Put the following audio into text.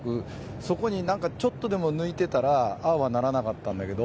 そこをちょっとでも抜いていたらああはならなかったんだけど。